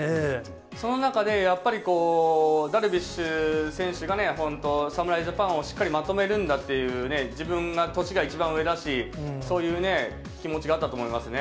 その中で、やっぱりダルビッシュ選手が本当、侍ジャパンをしっかりまとめるんだっていうね、自分が年が一番上だし、そういう気持ちがあったと思いますね。